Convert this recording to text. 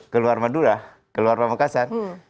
keluar madura keluar pemekasan